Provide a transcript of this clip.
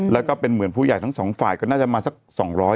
แล้วก็เป็นเหมือนผู้ใหญ่ทั้งสองฝ่ายก็น่าจะมาสัก๒๐๐